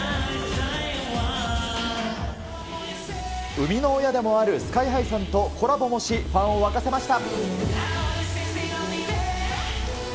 生みの親でもあるスカイハイさんとコラボもし、ファンを沸かせました。